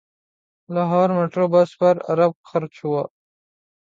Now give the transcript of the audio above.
Lahore metro bus پر ارب خرچ ہوئے